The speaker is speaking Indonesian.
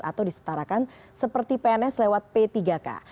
atau disetarakan seperti pns lewat p tiga k